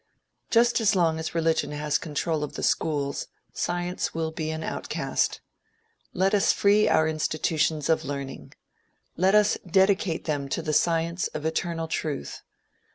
Just as long as religion has control of the schools, science will be an outcast. Let us free our institutions of learning. Let us dedicate them to the science of eternal truth.